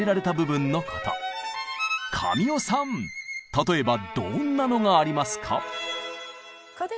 例えばどんなのがありますか？